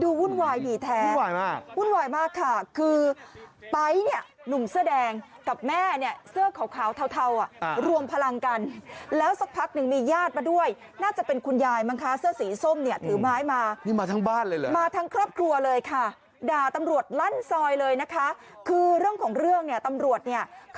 วุ่นวายดีแท้วุ่นวายมากวุ่นวายมากค่ะคือไป๊เนี่ยหนุ่มเสื้อแดงกับแม่เนี่ยเสื้อขาวเทาอ่ะรวมพลังกันแล้วสักพักหนึ่งมีญาติมาด้วยน่าจะเป็นคุณยายมั้งคะเสื้อสีส้มเนี่ยถือไม้มานี่มาทั้งบ้านเลยเหรอมาทั้งครอบครัวเลยค่ะด่าตำรวจลั่นซอยเลยนะคะคือเรื่องของเรื่องเนี่ยตำรวจเนี่ย